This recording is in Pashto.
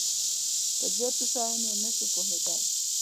په زیاتو شیانو نه شو پوهیدای.